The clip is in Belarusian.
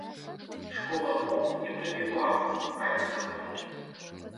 Школа мову не прывівала, бацька толькі.